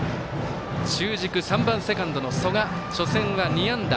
中軸、３番セカンドの曽我初戦は２安打。